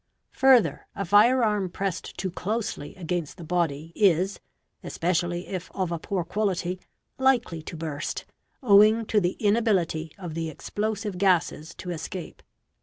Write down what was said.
Further a fire arm pressed too closely against the e body is, especially if of a poor quality, likely to burst, owing to the F lability of the explosive gases to escape.